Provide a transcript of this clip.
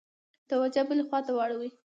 توجه بلي خواته واړوي.